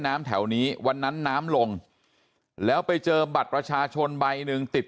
แถวนี้วันนั้นน้ำลงแล้วไปเจอบัตรประชาชนใบหนึ่งติด